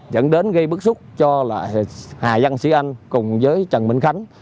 dẫn đến gây bức xúc cho hà văn sĩ anh cùng với trần minh khánh